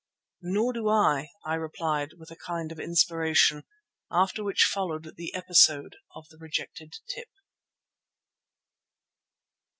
"Nor do I," I replied, with a kind of inspiration, after which followed the episode of the rejected tip.